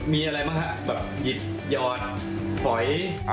มีอะไรมั้ยคะ